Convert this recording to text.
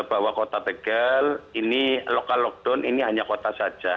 bahwa kota tegal ini lokal lockdown ini hanya kota saja